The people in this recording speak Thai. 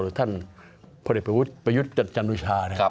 หรือท่านพลิกประยุทธ์จันทรุชานะครับ